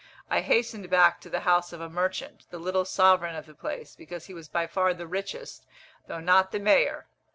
I hastened back to the house of a merchant, the little sovereign of the place, because he was by far the richest, though not the mayor.